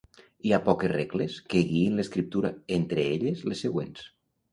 Hi ha poques regles que guiïn l'escriptura, entre elles les següents.